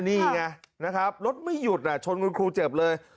นี่ไงนะครับรถไม่หยุดชนคุณครูเจ็บเลย